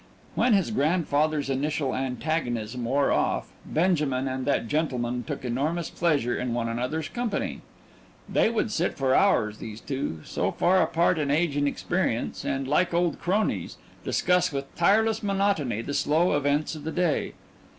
When his grandfather's initial antagonism wore off, Benjamin and that gentleman took enormous pleasure in one another's company. They would sit for hours, these two, so far apart in age and experience, and, like old cronies, discuss with tireless monotony the slow events of the day.